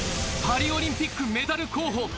パリオリンピックメダル候補